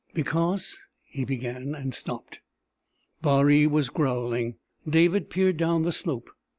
"Because...." he began, and stopped. Baree was growling. David peered down the slope.